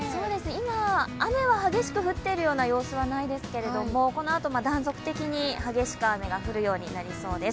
今、雨は激しく降っているような様子はないですけど、このあと断続的に激しく雨が降るようになりそうです。